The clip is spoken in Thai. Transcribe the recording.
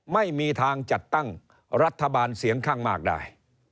ไม่มีทางจัดตั้งรัฐบาลเสียงข้างมากได้